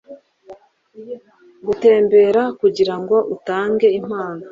Gutembera kugirango utange impano